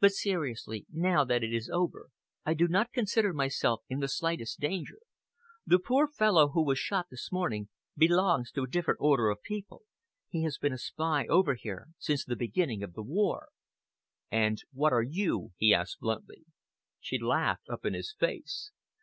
But seriously, now that that is over, I do not consider myself in the slightest danger. The poor fellow who was shot this morning belongs to a different order of people. He has been a spy over here since the beginning of the war." "And what are you?" he asked bluntly. She laughed up in his face.